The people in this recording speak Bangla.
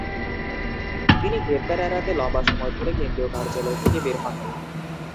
তিনি গ্রেপ্তার এড়াতে লম্বা সময় ধরে কেন্দ্রীয় কার্যালয় থেকে বের হননি।